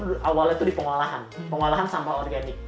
dulu awalnya itu di pengolahan pengolahan sampah organik